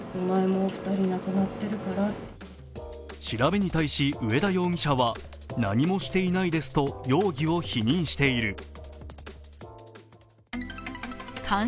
調べに対し上田容疑者は何もしていないですと容疑を否認している。